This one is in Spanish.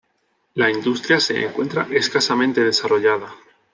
La industria se encuentra escasamente desarrollada.